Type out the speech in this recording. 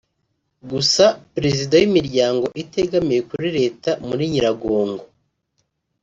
Gusa Perezida w’Imiryango itegamiye kuri Leta muri Nyiragongo